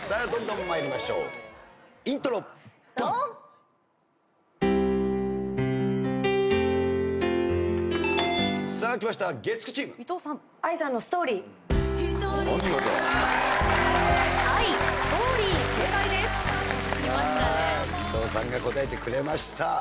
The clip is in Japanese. さあ来ました